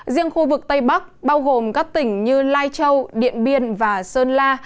riêng khu vực tây bắc bao gồm các tỉnh như lai châu điện biên và sơn la